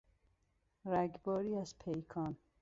رگباری از پیکان